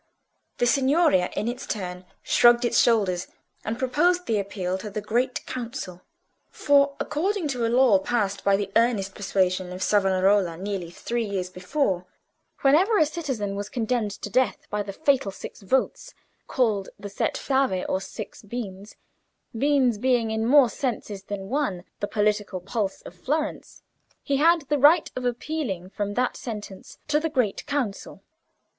The Signoria in its turn shrugged its shoulders, and proposed the appeal to the Great Council. For, according to a law passed by the earnest persuasion of Savonarola nearly three years before, whenever a citizen was condemned to death by the fatal six votes (called the set fave or six beans, beans being in more senses than one the political pulse of Florence), he had the right of appealing from that sentence to the Great Council.